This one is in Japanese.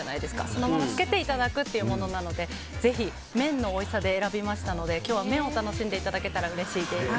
そのままつけていただくものなので麺のおいしさで選びましたので今日は麺を楽しんでいただけたらうれしいです。